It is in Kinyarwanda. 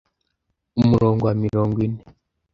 umurongo wa mirongo ine